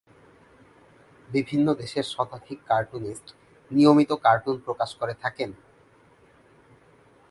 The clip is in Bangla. বিভিন্ন দেশের শতাধিক কার্টুনিস্ট নিয়মিত কার্টুন প্রকাশ করে থাকেন।